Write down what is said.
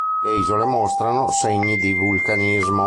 Le isole mostrano segni di vulcanismo.